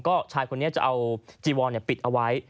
ก็ชายคนนี้จะเอาจีวอนปิดเอาไว้